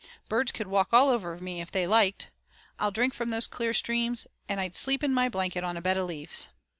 Birds could walk all over me if they liked. I'd drink from those clear streams, and I'd sleep in my blanket on a bed of leaves."